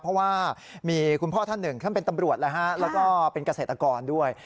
เพราะว่ามีคุณพ่อท่านหนึ่งท่านเป็นตำรวจแล้วก็เป็นเกษตรกรด้วย